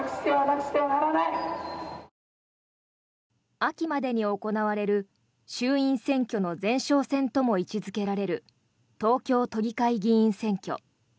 秋までに行われる衆院選挙の前哨戦とも位置付けられる東京都議会議員選挙。